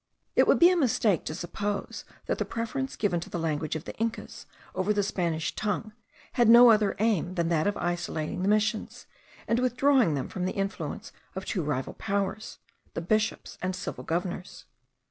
It would be a mistake to suppose, that the preference given to the language of the Incas over the Spanish tongue had no other aim than that of isolating the Missions, and withdrawing them from the influence of two rival powers, the bishops and civil governors.